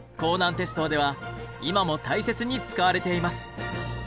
鉄道では今も大切に使われています。